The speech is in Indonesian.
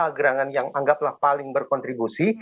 gerangan yang anggaplah paling berkontribusi